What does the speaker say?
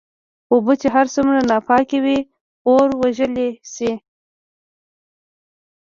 اوبه چې هرڅومره ناپاکي وي اور وژلی شې.